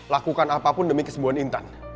lakukan apapun demi kesembuhan intan